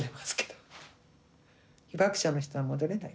被爆者の人は戻れない。